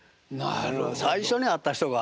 最初に会った人が。